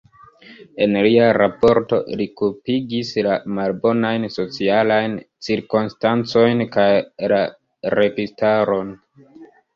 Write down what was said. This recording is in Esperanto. En lia raporto, li kulpigis la malbonajn socialajn cirkonstancojn kaj la registaron.